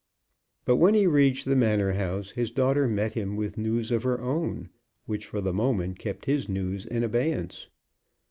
But when he reached the Manor House his daughter met him with news of her own which for the moment kept his news in abeyance.